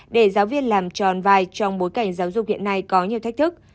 để giáo viên làm tròn vài trong bối cảnh giáo dục hiện nay có nhiều thách thức